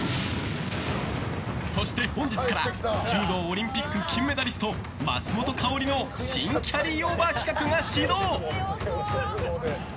そして本日から柔道オリンピック金メダリスト松本薫の新キャリーオーバー企画が始動！